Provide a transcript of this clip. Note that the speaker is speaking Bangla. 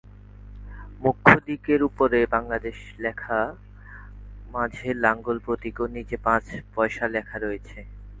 মূখ্য দিকের উপরে বাংলাদেশ লেখা, মাঝে লাঙল প্রতীক এবং নিচে পাঁচ পয়সা লেখা রয়েছে।